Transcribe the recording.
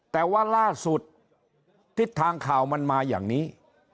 แต่ว่าล่าสุดทิศทางข่าวมันมาอย่างนี้